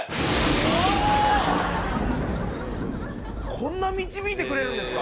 こんな導いてくれるんですか？